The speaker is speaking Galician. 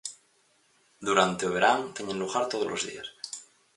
Durante o verán teñen lugar todos os días.